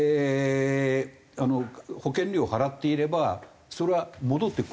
保険料を払っていればそれは戻ってくるんですよ。